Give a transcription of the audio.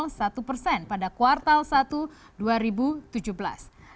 dan mengatakan bahwa pertumbuhan ekonomi indonesia